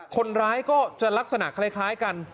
คนร้ายก็จะลักษณะคล้ายกัน